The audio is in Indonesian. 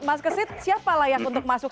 mas gesit siapa lah yang untuk masuk